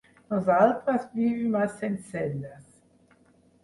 Nosaltres vivim a Sencelles.